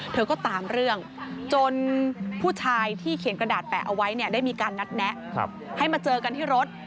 เธอก็ตามเรื่องจนผู้ชายที่เขียนกระดาษแปะเอาไว้เนี่ยได้มีการนัดแนะให้มาเจอกันที่รถ